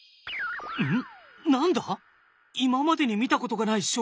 ん？